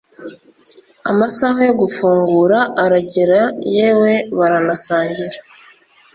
amasaha yo gufungura aragera yewe baranasangira